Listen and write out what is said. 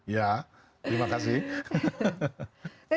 ya terima kasih